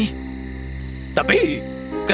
kita harus memperse crawl semama kita